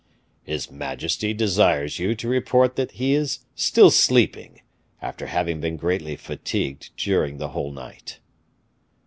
"His majesty desires you to report that he is still sleeping, after having been greatly fatigued during the whole night."